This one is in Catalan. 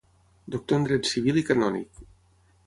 Doctor en dret civil i canònic.